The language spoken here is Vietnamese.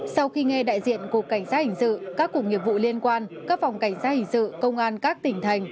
sau khi nghe đại diện cục cảnh sát hình sự các cục nghiệp vụ liên quan các phòng cảnh sát hình sự công an các tỉnh thành